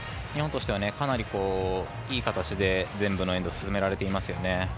日本としては、かなりいい形で全部のエンド進められていますね。